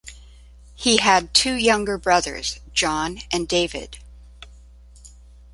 He had two younger brothers, John and David.